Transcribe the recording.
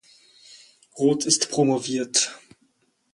Roth ist promoviert.